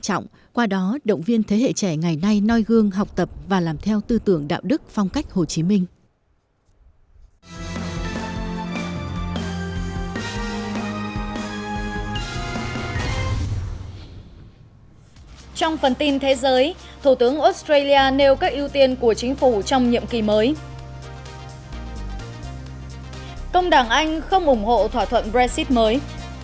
công đảng anh không ủng hộ thỏa thuận brexit mới